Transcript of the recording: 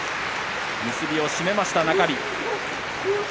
結びを締めました中日。